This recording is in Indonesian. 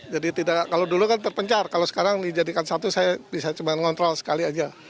jadi tidak kalau dulu kan terpencar kalau sekarang dijadikan satu saya bisa cuma ngontrol sekali aja